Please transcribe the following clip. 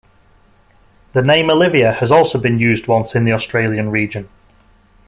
The name Olivia has also been used once in the Australian region.